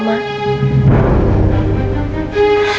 sama kaya waktu itu dia bohongin oma